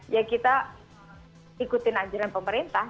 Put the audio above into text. ya kita ikutin ajaran pemerintah